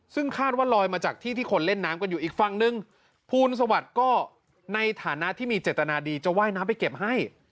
ซึ่งคาดว่าลอยมาจากที่ที่คนเล่นน้ำกันอยู่อีกฝั่งนึงภูลสวัสดิ์ก็ในฐานะที่มีเจตนาดีจะว่ายน้ำไปเก็บให้